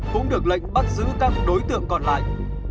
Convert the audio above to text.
cũng được lệnh bắt giữ các đối tượng còn lại